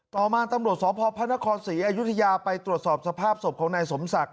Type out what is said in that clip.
ต่อมาตำรวจสพพระนครศรีอยุธยาไปตรวจสอบสภาพศพของนายสมศักดิ